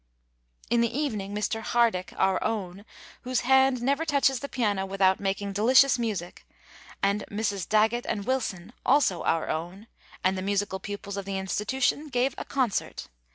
"In the evening Mr. Hardick, 'our own,' whose hand never touches the piano without making delicious music, and Misses Daggett and Wilson, also 'our own,' and the musical pupils of the Institution, gave a concert.